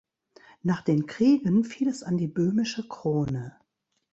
Nach den Kriegen fiel es an die böhmische Krone.